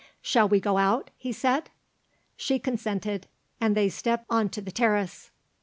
"Shall we go out?" he said. She consented, and they stepped on to the terrace.